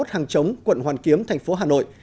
hàng chống quận hoàn kiếm thành phố hà nội